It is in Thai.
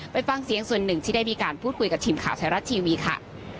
ไปฟังเสียงส่วนหนึ่งที่ได้มีการพูดคุยกับทีมข่าวไทยรัฐทีวีค่ะ